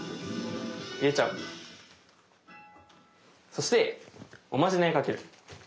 そしておまじないをかける。